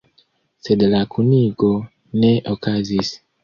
Sed la kunigo ne okazis.